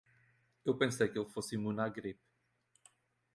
Eu pensei que ele fosse imune à gripe.